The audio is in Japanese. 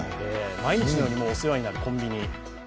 毎日のようにお世話になるコンビニ。